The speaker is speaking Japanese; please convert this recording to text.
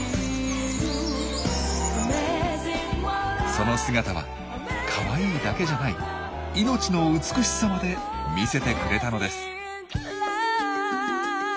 その姿は「カワイイ」だけじゃない命の美しさまで見せてくれたのです。